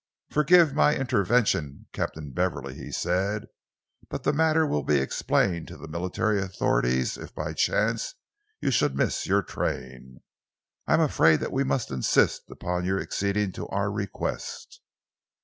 "Forgive my intervention, Captain Beverley," he said, "but the matter will be explained to the military authorities if by chance you should miss your train. I am afraid that we must insist upon your acceding to our request."